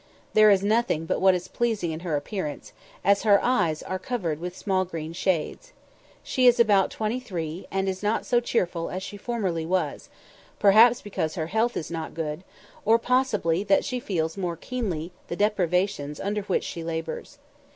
There is nothing but what is pleasing in her appearance, as her eyes are covered with small green shades. She is about twenty three, and is not so cheerful as she formerly was, perhaps because her health is not good, or possibly that she feels more keenly the deprivations under which she labours.